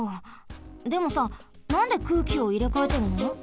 でもさなんで空気をいれかえてるの？